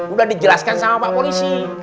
udah dijelaskan sama pak polisi